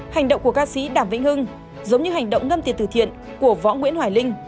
hành động của ca sĩ đàm vĩnh hưng giống như hành động ngâm tiệt tử thiện của võ nguyễn hoài linh